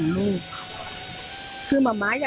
มันเป็นอาหารของพระราชา